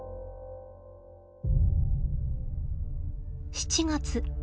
７月。